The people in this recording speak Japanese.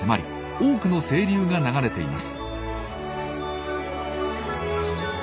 多くの清流が流れています。